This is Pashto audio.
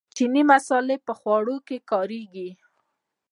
چیني مسالې په خوړو کې کاریږي.